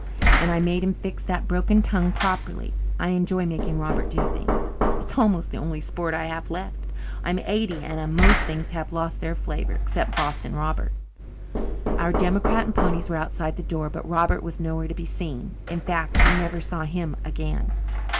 And I made him fix that broken tongue properly. I enjoy making Robert do things. It's almost the only sport I have left. I'm eighty and most things have lost their flavour, except bossing Robert." Our democrat and ponies were outside the door, but Robert was nowhere to be seen; in fact, we never saw him again.